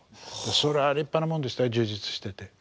それは立派なもんでしたよ充実してて。